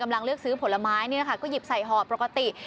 กำลังเลือกซื้อผลไม้เนี่ยนะคะก็หยิบใส่หอปกติ